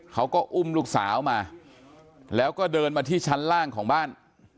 เขาก็อุ้มลูกสาวมาแล้วก็เดินมาที่ชั้นล่างของบ้าน